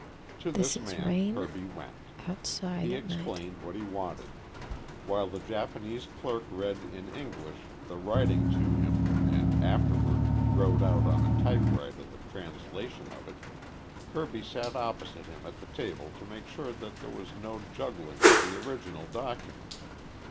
To this man Kirby went. He explained what he wanted. While the Japanese clerk read in English the writing to him and afterward wrote out on a typewriter the translation of it, Kirby sat opposite him at the table to make sure that there was no juggling with the original document.